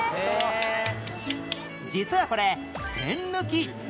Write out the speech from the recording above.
実はこれ栓抜き